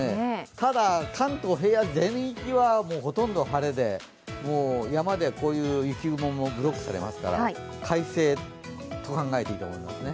ただ、関東平野全域はほとんど晴れで、山で雪雲もブロックされますから、快晴と考えていいと思いますね。